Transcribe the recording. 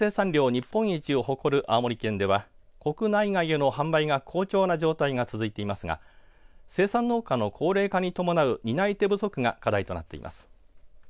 日本一を誇る青森県では国内外への販売が好調な状態が続いていますが生産農家の高齢化に伴う担い手不足が課題となっています。